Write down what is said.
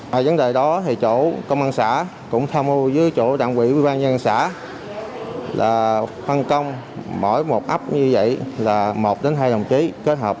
ngoài vấn đề đó chủ công an xã cũng tham mưu với chủ đảng quỹ quý văn dân xã là phân công mỗi một ấp như vậy là một hai đồng chí